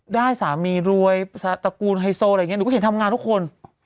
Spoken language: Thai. ได้สามีรวยตระกูลไฮโซอะไรอย่างนี้หนูก็เห็นทำงานทุกคน